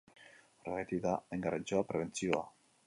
Horregatik da hain garrantzitsua prebentzioa.